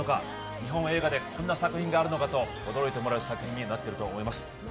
日本映画こんな作品があるのかと、驚いてもらう作品になっていると思います。